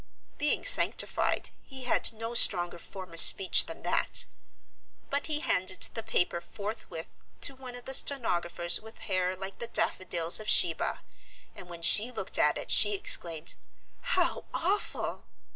Being sanctified, he had no stronger form of speech than that. But he handed the paper forthwith to one of the stenographers with hair like the daffodils of Sheba, and when she looked at it she exclaimed, "How awful!"